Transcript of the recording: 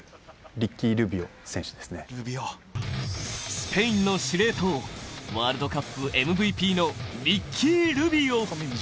スペインの司令塔、ワールドカップＭＶＰのリッキー・ルビオ。